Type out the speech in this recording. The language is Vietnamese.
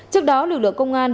trước đó lực lượng công an